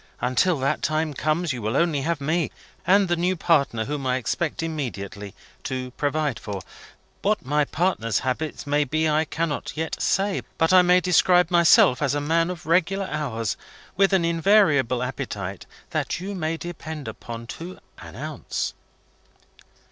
Until that time comes, you will only have me, and the new partner whom I expect immediately, to provide for. What my partner's habits may be, I cannot yet say. But I may describe myself as a man of regular hours, with an invariable appetite that you may depend upon to an ounce."